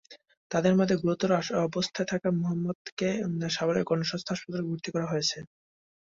তাঁদের মধ্যে গুরুতর অবস্থায় খোকা মুহাম্মদকে সাভারের গণস্বাস্থ্য হাসপাতালে ভর্তি করা হয়েছে।